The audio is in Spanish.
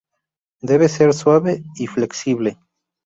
Debe ser suave y flexible.